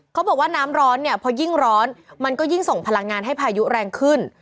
เขาบอกว่าน้ำร้อนเนี่ยพอยิ่งร้อนมันก็ยิ่งส่งพลังงานให้พายุแรงขึ้น